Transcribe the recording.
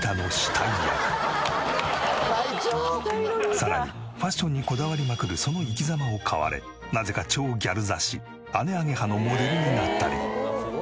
さらにファッションにこだわりまくるその生きざまを買われなぜか超ギャル雑誌『姉ａｇｅｈａ』のモデルになったりも。